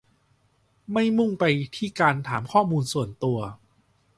ไม่มุ่งไปที่การถามข้อมูลส่วนตัว